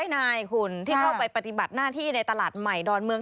นายคุณที่เข้าไปปฏิบัติหน้าที่ในตลาดใหม่ดอนเมือง